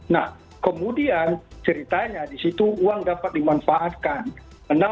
nah kemudian ceritanya disitu uang dapat dimanfaatkan